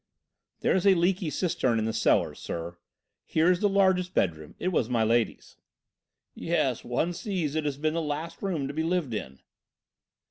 "There is a leaky cistern in the cellars, sir. Here is the largest bedroom. It was my Lady's." "Yes, one sees it has been the last room to be lived in."